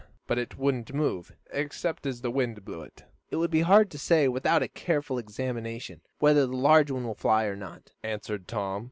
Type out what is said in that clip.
But it wouldn't move, except as the wind blew it." "It would be hard to say, without a careful examination, whether this large one will fly or not," answered Tom.